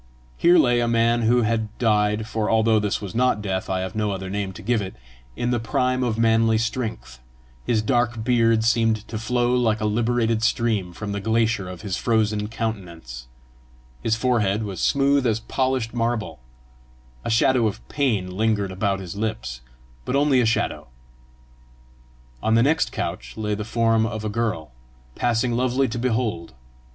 Here lay a man who had died for although this was not death, I have no other name to give it in the prime of manly strength; his dark beard seemed to flow like a liberated stream from the glacier of his frozen countenance; his forehead was smooth as polished marble; a shadow of pain lingered about his lips, but only a shadow. On the next couch lay the form of a girl, passing lovely to behold.